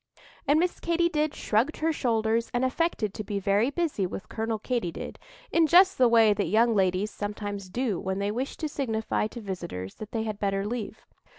And Miss Katy did shrugged her shoulders and affected to be very busy with Colonel Katy did, in just the way that young ladies sometimes do when they wish to signify to visitors that they had better leave.